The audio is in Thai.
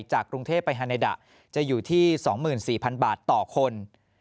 จากกรุงเทพไปฮาเนดะจะอยู่ที่๒๔๐๐๐บาทต่อคน